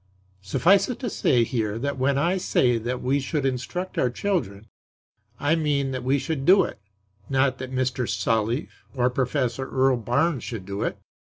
Suffice it to say here that when I say that we should instruct our children, I mean that we should do it, not that Mr. Sully or Professor Earl Barnes should do it.